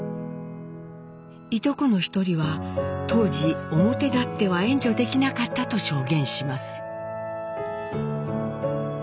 いとこの一人は当時表立っては援助できなかったと証言します。